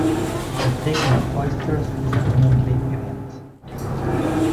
The taking of oysters is abundantly evident.